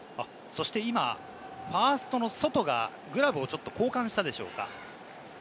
そして今、ファーストのソトがグラブをちょっと交換したでしょうか。